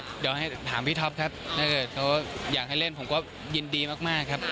เดี๋ยวให้ถามพี่ท็อปครับถ้าเกิดเขาอยากให้เล่นผมก็ยินดีมากครับ